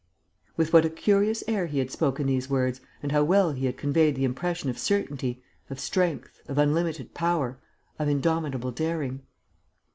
With what a curious air he had spoken these words and how well he had conveyed the impression of certainty, of strength, of unlimited power, of indomitable daring!